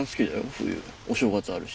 冬お正月あるし。